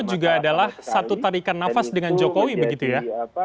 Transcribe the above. juga adalah satu tarikan nafas dengan jokowi begitu ya